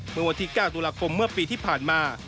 เมื่อวันที่๙ตุลาคมเมื่อปีที่ผ่านมา